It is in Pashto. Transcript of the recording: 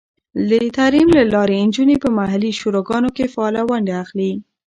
د تعلیم له لارې، نجونې په محلي شوراګانو کې فعاله ونډه اخلي.